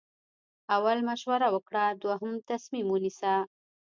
اول مشوره وکړه دوهم تصمیم ونیسه.